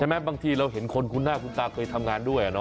ใช่ไหมบางทีเราเห็นคนคุณหน้าคุณตาเคยทำงานด้วยอ่ะเนอะ